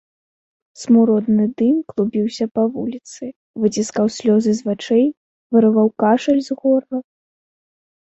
Смуродны дым клубіўся па вуліцы, выціскаў слёзы з вачэй, вырываў кашаль з горла.